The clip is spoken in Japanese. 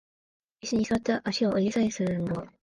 イスに座って足を上げ下げする運動